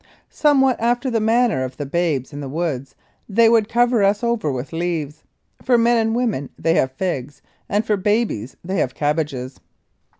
Somewhat after the manner of the Babes in the Woods they would cover us over with leaves. For men and women they have figs and for babies they have cabbages.